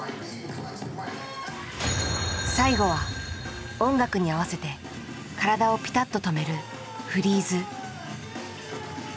最後は音楽に合わせて体をピタッと止めるフリーズ。